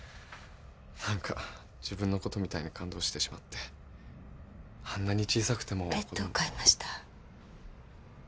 何か自分のことみたいに感動してしまってあんなに小さくてもベッドを買いました